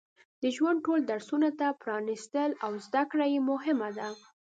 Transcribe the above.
د ژوند ټولو درسونو ته پرانستل او زده کړه یې مهمه ده.